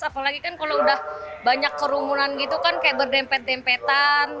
apalagi kan kalau udah banyak kerumunan gitu kan kayak berdempet dempetan